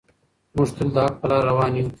موږ تل د حق په لاره روان یو.